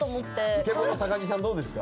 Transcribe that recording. イケボの高木さんどうですか？